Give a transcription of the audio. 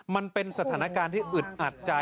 มันเป็นสถานการณ์ที่อึดอัดใจ